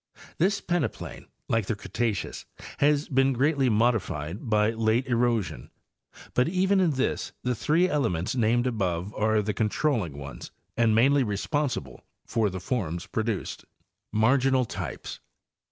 This peneplain, like the Cretaceous, has been greatly modified by late erosion, but even in this the three elements named above are the controlling ones and mainly re sponsible for the forms produced. Marginal Types.